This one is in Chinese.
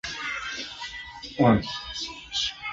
申恬起初任骠骑将军刘道邻的长兼行参军。